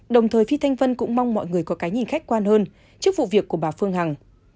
đồng thời phi thanh vân cũng mong mọi người có cái nhìn khách quan hơn trước vụ việc của bà phương hằng